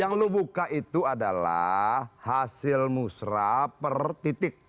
yang lo buka itu adalah hasil musrah per titik